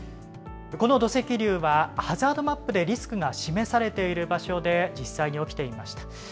この土石流は、ハザードマップでリスクが示されている場所で実際に起きていました。